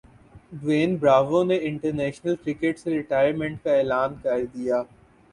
ڈیوین Bravo نے international cricket سے retirement کا اعلان کردیا